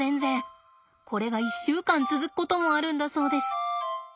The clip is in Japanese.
これが１週間続くこともあるんだそうです。